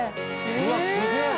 うわっすげえ！